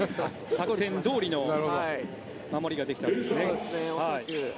作戦どおりの守りができたと。